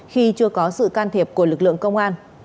khi chưa có sự can thiệp của lực lượng công an